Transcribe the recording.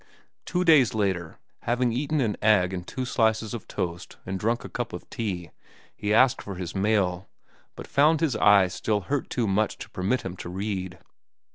Two days later, having eaten an egg and two slices of toast and drunk a cup of tea, he asked for his mail, but found his eyes still hurt too much to permit him to read.